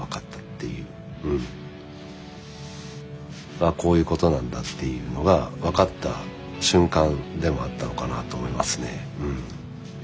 あっこういうことなんだっていうのが分かった瞬間でもあったのかなと思いますね。